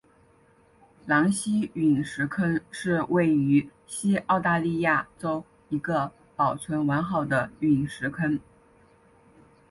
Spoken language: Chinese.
狼溪陨石坑是位于西澳大利亚州一个保存完好的陨石坑。